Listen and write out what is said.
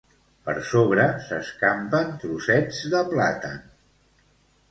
Per sobre s'escampen trossets de plàtan.